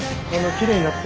きれいになって。